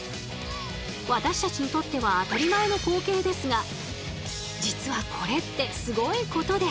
私たちにとっては当たり前の光景ですが実はこれってすごいことで。